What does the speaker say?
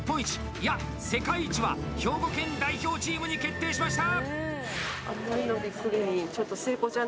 いや、世界一は兵庫県代表チームに決定しました！